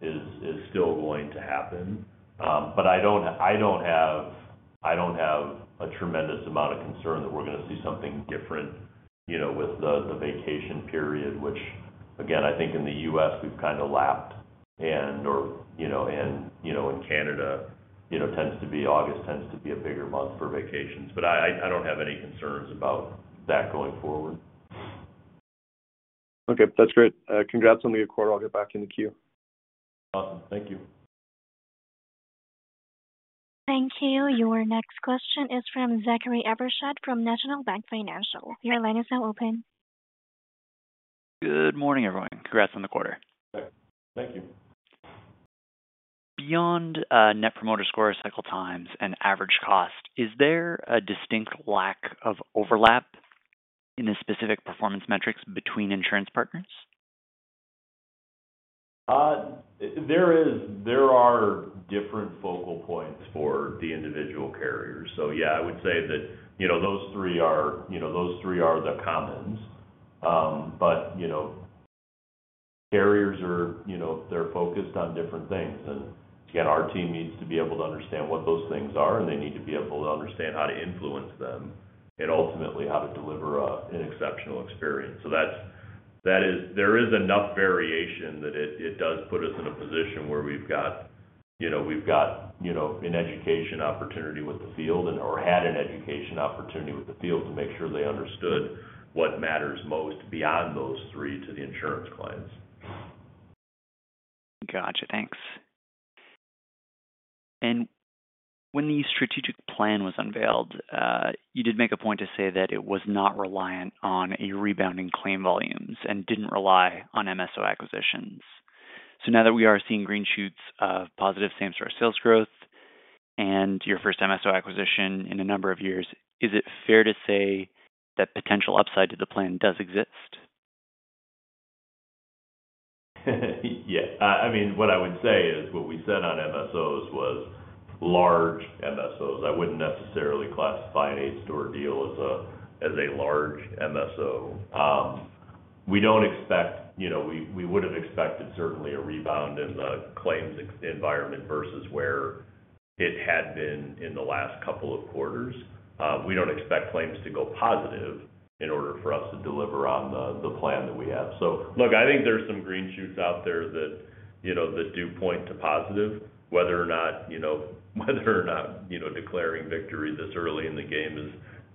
is still going to happen. I don't have a tremendous amount of concern that we're going to see something different with the vacation period, which again, I think in the U.S. we've kind of lapped, and in Canada, August tends to be a bigger month for vacations. I don't have any concerns about that going forward. Okay, that's great. Congrats on the quarter. I'll get back in the queue. Thank you. Thank you. Your next question is from Zachary Evershed from National Bank Financial. Your line is now open. Good morning, everyone. Congrats on the quarter. Thank you. Beyond net promoter scores, cycle times, and average cost, is there a distinct lack of overlap in the specific performance metrics between insurance partners? There are different focal points for the individual carriers. I would say that those three are the commons. Carriers are focused on different things. Our team needs to be able to understand what those things are, and they need to be able to understand how to influence them and ultimately how to deliver an exceptional experience. There is enough variation that it does put us in a position where we've got an education opportunity with the field or had an education opportunity with the field to make sure they understood what matters most beyond those three to the insurance clients. Gotcha. Thanks. When the strategic plan was unveiled, you did make a point to say that it was not reliant on a rebound in claim volumes and didn't rely on MSO acquisitions. Now that we are seeing green shoots of positive same-store sales growth and your first MSO acquisition in a number of years, is it fair to say that potential upside to the plan does exist? Yeah, I mean, what I would say is what we said on MSOs was large MSOs. I wouldn't necessarily classify an eight-store deal as a large MSO. We would have expected certainly a rebound in the claims environment versus where it had been in the last couple of quarters. We don't expect claims to go positive in order for us to deliver on the plan that we have. I think there's some green shoots out there that do point to positive. Whether or not declaring victory this early in the game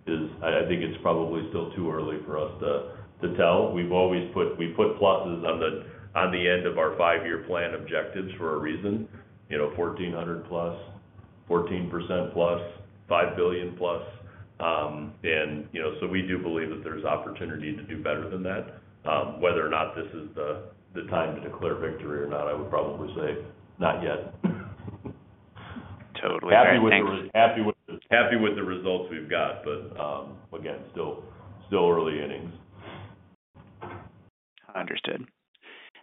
is, I think it's probably still too early for us to tell. We've always put pluses on the end of our five-year plan objectives for a reason, you know, 1,400+, 14%+, $5 billion+, and we do believe that there's opportunity to do better than that. Whether or not this is the time to declare victory or not, I would probably say not yet. Totally agree. Happy with the results we've got, still early innings. Understood.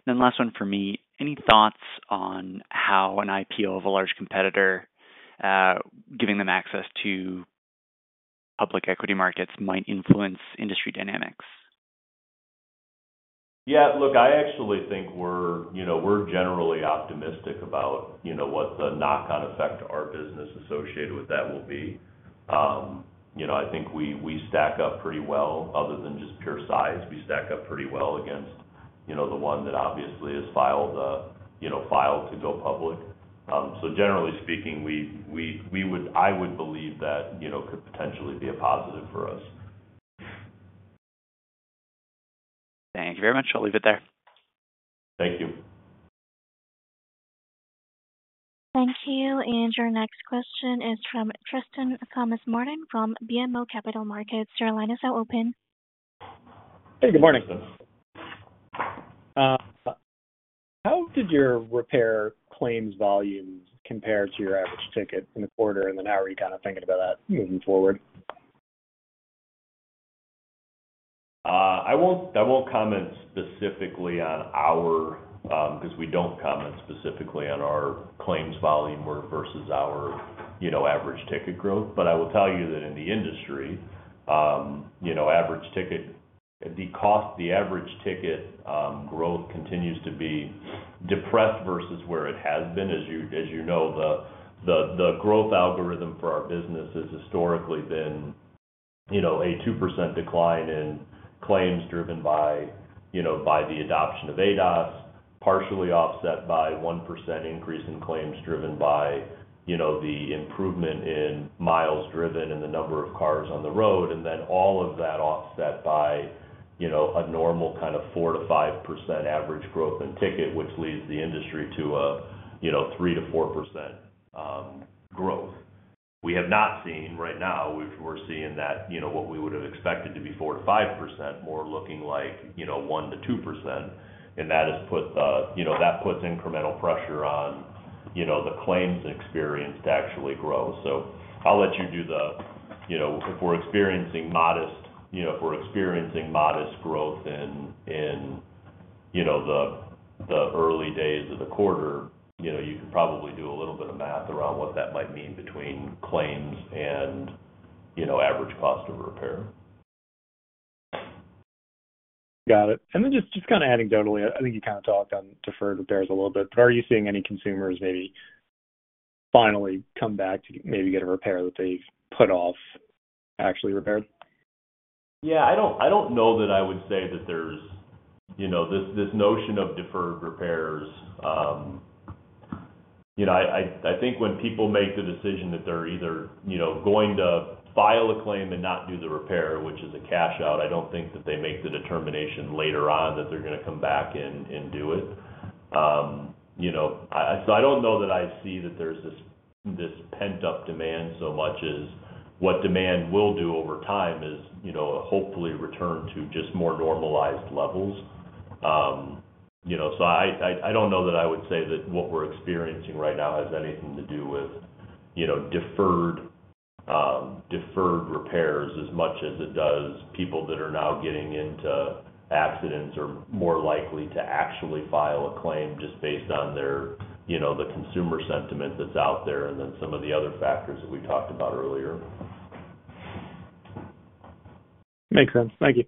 Last one for me, any thoughts on how an IPO of a large competitor, giving them access to public equity markets, might influence industry dynamics? Yeah, look, I actually think we're generally optimistic about what the knock-on effect to our business associated with that will be. I think we stack up pretty well other than just pure size. We stack up pretty well against the one that obviously has filed to go public. Generally speaking, I would believe that could potentially be a positive for us. Thank you very much. I'll leave it there. Thank you. Thank you. Your next question is from Tristan Thomas-Martin from BMO Capital Markets. Your line is now open. Hey, good morning. How did your repair claims volumes compare to your average ticket in a quarter? How are you kind of thinking about that moving forward? I won't comment specifically on our, because we don't comment specifically on our claims volume versus our average ticket growth. I will tell you that in the industry, average ticket, the cost, the average ticket growth continues to be depressed versus where it has been. As you know, the growth algorithm for our business has historically been a 2% decline in claims driven by the adoption of ADAS, partially offset by a 1% increase in claims driven by the improvement in miles driven and the number of cars on the road. All of that is offset by a normal kind of 4%-5% average growth in ticket, which leads the industry to a 3%-4% growth. We have not seen right now, we're seeing that what we would have expected to be 4%-5% more looking like 1%-2%. That has put incremental pressure on the claims experience to actually grow. I'll let you do the, if we're experiencing modest growth in the early days of the quarter, you could probably do a little bit of math around what that might mean between claims and average cost of repair. Got it. Just kind of anecdotally, I think you kind of talked on deferred repairs a little bit. Are you seeing any consumers maybe finally come back to maybe get a repair that they've put off actually repaired? I don't know that I would say that there's this notion of deferred repairs. I think when people make the decision that they're either going to file a claim and not do the repair, which is a cash out, I don't think that they make the determination later on that they're going to come back and do it. I don't know that I see that there's this pent-up demand so much as what demand will do over time is hopefully return to just more normalized levels. I don't know that I would say that what we're experiencing right now has anything to do with deferred repairs as much as it does people that are now getting into accidents or more likely to actually file a claim just based on the consumer sentiment that's out there and then some of the other factors that we talked about earlier. Makes sense. Thank you.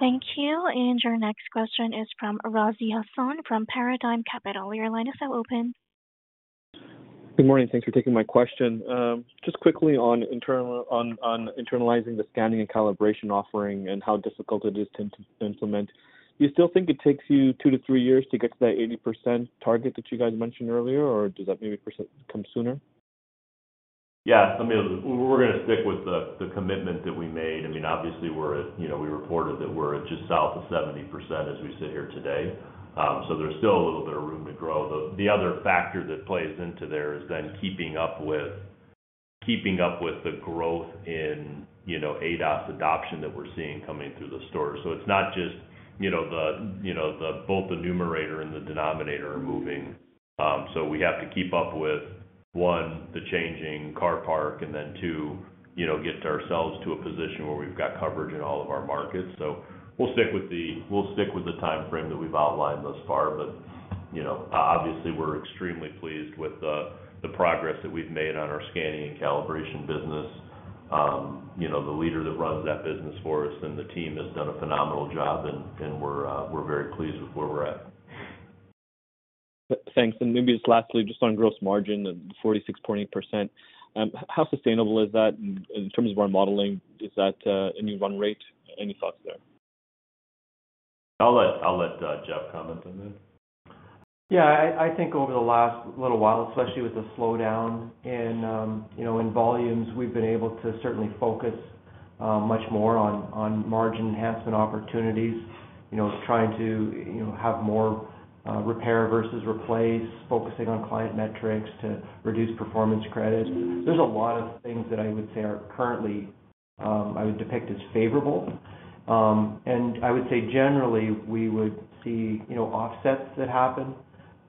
Thank you. Your next question is from Razi Hassan from Paradigm Capital. Your line is now open. Good morning. Thanks for taking my question. Just quickly on internalizing the scanning and calibration offering and how difficult it is to implement. Do you still think it takes you two to three years to get to that 80% target that you guys mentioned earlier, or does that maybe come sooner? Yeah, I mean, we're going to stick with the commitment that we made. Obviously, we're at, you know, we reported that we're at just south of 70% as we sit here today. There's still a little bit of room to grow. The other factor that plays into there is keeping up with the growth in, you know, ADAS adoption that we're seeing coming through the store. It's not just, you know, both the numerator and the denominator are moving. We have to keep up with, one, the changing car park, and then two, get ourselves to a position where we've got coverage in all of our markets. We'll stick with the timeframe that we've outlined thus far. Obviously, we're extremely pleased with the progress that we've made on our scanning and calibration business. The leader that runs that business for us and the team has done a phenomenal job, and we're very pleased with where we're at. Thanks. Maybe just lastly, just on gross margin, the 46.8%. How sustainable is that in terms of our modeling? Is that a new run rate? Any thoughts there? I'll let Jeff comment on that. Yeah, I think over the last little while, especially with the slowdown in volumes, we've been able to certainly focus much more on margin enhancement opportunities, trying to have more repair versus replace, focusing on client metrics to reduce performance credits. There's a lot of things that I would say are currently, I would depict as favorable. I would say generally we would see offsets that happen.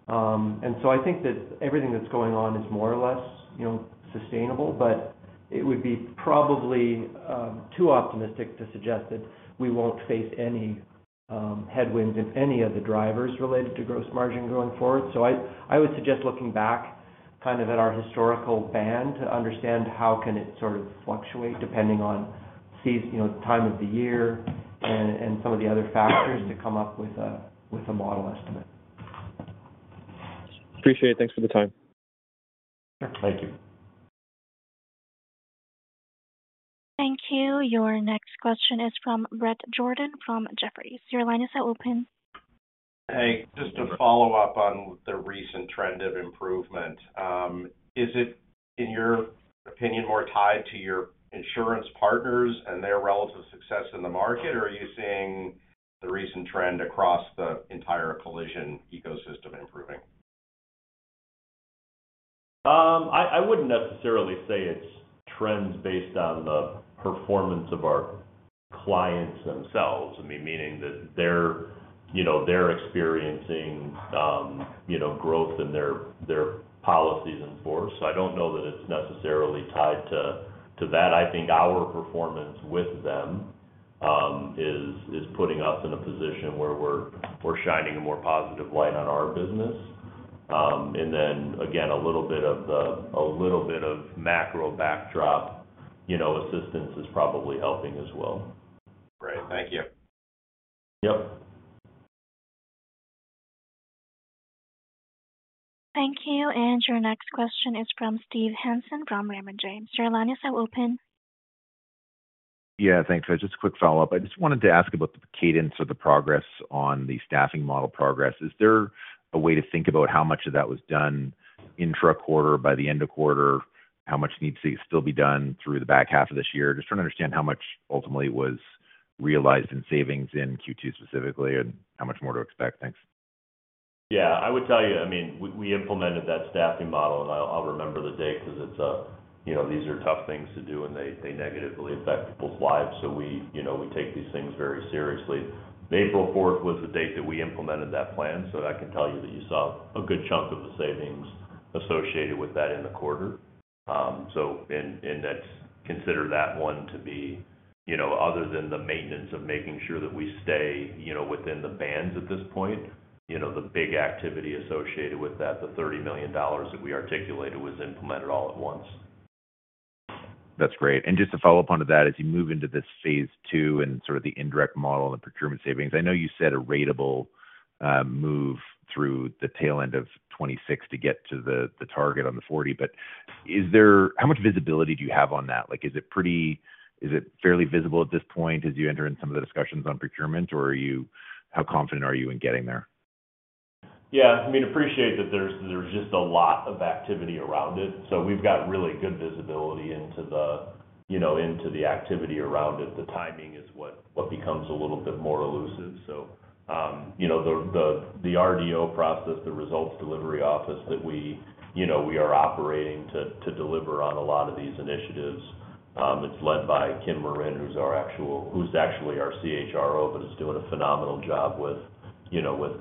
I think that everything that's going on is more or less sustainable, but it would be probably too optimistic to suggest that we won't face any headwinds in any of the drivers related to gross margin going forward. I would suggest looking back kind of at our historical band to understand how it can sort of fluctuate depending on time of the year and some of the other factors to come up with a model estimate. Appreciate it. Thanks for the time. Thank you. Thank you. Your next question is from Bret Jordan from Jefferies. Your line is now open. Hey, just to follow up on the recent trend of improvement. Is it, in your opinion, more tied to your insurance partners and their relative success in the market, or are you seeing the recent trend across the entire collision ecosystem improving? I wouldn't necessarily say it's trends based on the performance of our clients themselves. I mean, meaning that they're, you know, they're experiencing growth in their policies in force. I don't know that it's necessarily tied to that. I think our performance with them is putting us in a position where we're shining a more positive light on our business. A little bit of the macro backdrop assistance is probably helping as well. Great. Thank you. Yep. Thank you. Your next question is from Steve Hansen from Raymond James. Your line is now open. Yeah, thanks. Just a quick follow-up. I just wanted to ask about the cadence or the progress on the staffing model progress. Is there a way to think about how much of that was done intra-quarter by the end of quarter? How much needs to still be done through the back half of this year? Just trying to understand how much ultimately was realized in savings in Q2 specifically and how much more to expect. Thanks. Yeah, I would tell you, I mean, we implemented that staffing model, and I'll remember the date because it's a, you know, these are tough things to do, and they negatively affect people's lives. We take these things very seriously. April 4th was the date that we implemented that plan. I can tell you that you saw a good chunk of the savings associated with that in the quarter. In that, consider that one to be, you know, other than the maintenance of making sure that we stay within the bands at this point, the big activity associated with that, the $30 million that we articulated was implemented all at once. That's great. Just to follow up on that, as you move into this phase two and sort of the indirect model and the procurement savings, I know you said a ratable move through the tail end of 2026 to get to the target on the $40 million, but is there, how much visibility do you have on that? Is it pretty, is it fairly visible at this point as you enter in some of the discussions on procurement, or are you, how confident are you in getting there? Yeah, I mean, I appreciate that there's just a lot of activity around it. We've got really good visibility into the activity around it. The timing is what becomes a little bit more elusive. The RDO process, the results delivery office that we are operating to deliver on a lot of these initiatives, is led by Kim Morin, who's actually our CHRO, but is doing a phenomenal job with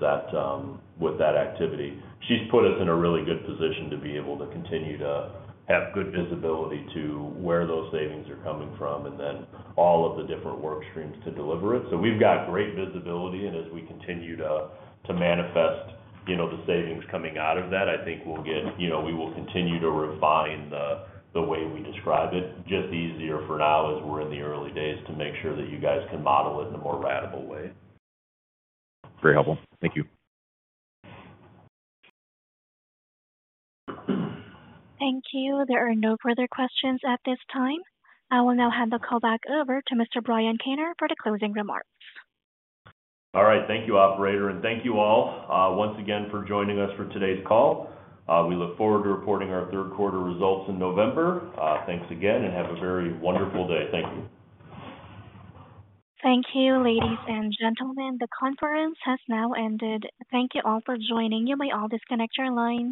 that activity. She's put us in a really good position to be able to continue to have good visibility to where those savings are coming from and then all of the different work streams to deliver it. We've got great visibility, and as we continue to manifest the savings coming out of that, I think we'll continue to refine the way we describe it. It's just easier for now as we're in the early days to make sure that you guys can model it in a more ratable way. Very helpful. Thank you. Thank you. There are no further questions at this time. I will now hand the call back over to Mr. Brian Kaner for the closing remarks. All right. Thank you, Operator, and thank you all once again for joining us for today's call. We look forward to reporting our third quarter results in November. Thanks again and have a very wonderful day. Thank you. Thank you, ladies and gentlemen. The conference has now ended. Thank you all for joining. You may all disconnect your line.